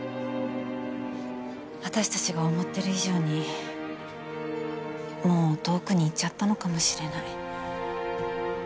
私たちが思ってる以上にもう遠くにいっちゃったのかもしれない。